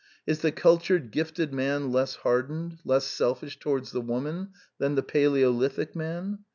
Is the cultured gifted man less hard ened, less selfish towards the woman, than the paleolithic man?